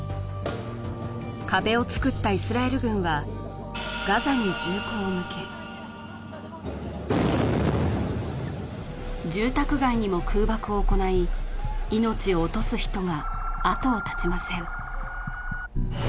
壁をつくったイスラエル軍はガザに銃口を向け住宅街にも空爆を行い命を落とす人が後を絶ちません